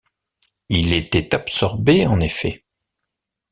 Il était absorbé en effet.